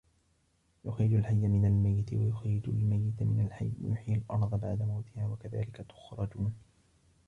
يُخرِجُ الحَيَّ مِنَ المَيِّتِ وَيُخرِجُ المَيِّتَ مِنَ الحَيِّ وَيُحيِي الأَرضَ بَعدَ مَوتِها وَكَذلِكَ تُخرَجونَ